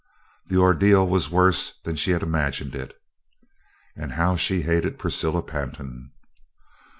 The ordeal was worse than she had imagined it. And how she hated Priscilla Pantin!